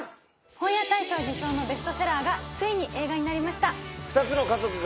本屋大賞受賞のベストセラーがついに映画になりました。